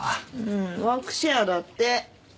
うんワークシェアだって。